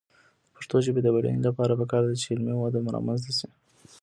د پښتو ژبې د بډاینې لپاره پکار ده چې علمي وده رامنځته شي.